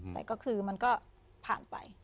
แต่ก็คือมันก็ผ่านไป